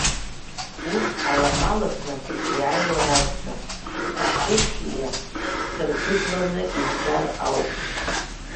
Урҭ аламала снапаҿы иааиуа ракәӡам, хаҳәырҵәиа сыргәыдланы изгар ауп!